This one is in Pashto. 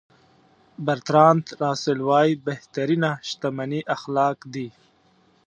برتراند راسل وایي بهترینه شتمني اخلاق دي.